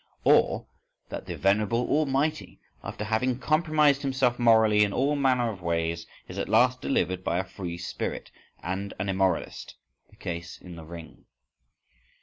Or that the venerable Almighty, after having compromised himself morally in all manner of ways, is at last delivered by a free spirit and an immoralist? (the case in the "Ring").